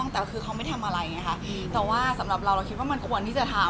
แต่คือเขาไม่ทำอะไรไงคะแต่ว่าสำหรับเราเราคิดว่ามันควรที่จะทำ